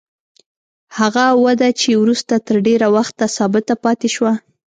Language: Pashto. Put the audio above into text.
هغه وده چې وروسته تر ډېره وخته ثابته پاتې شوه.